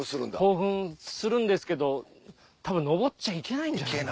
興奮するんですけどたぶん上っちゃいけないんじゃないかな。